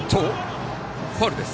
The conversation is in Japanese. ファウルです。